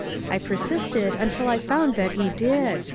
I persisted until I found that he did.